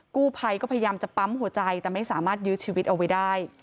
กู้ภัยก็พยายามจะปั๊มหัวใจแต่ไม่สามารถยื้อชีวิตเอาไว้ได้